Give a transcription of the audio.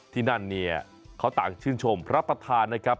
ที่นั่นเนี่ยเขาต่างชื่นชมพระประธานนะครับ